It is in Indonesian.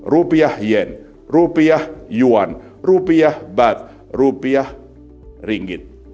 rupiah yen rupiah yuan rupiah bat rupiah ringgit